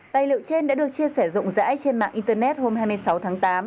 tài liệu trên đã được chia sẻ rộng rãi trên mạng internet hôm hai mươi sáu tháng tám